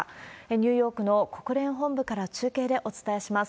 ニューヨークの国連本部から中継でお伝えします。